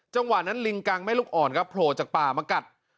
จังหวะนั้นลิงกังแม่ลูกอ่อนครับโผล่จากป่ามากัด